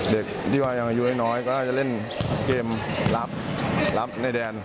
เด็กที่ว่ายังอายุน้อยก็น่าจะเล่นเกมรับในแดน